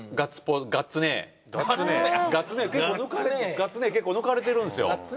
ガッツ姉結構抜かれてるんすよ。